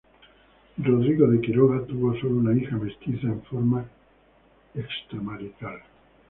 Rodrigo de Quiroga tuvo sólo una hija mestiza en forma extramarital.